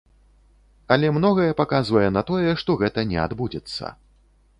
Але многае паказвае на тое, што гэта не адбудзецца.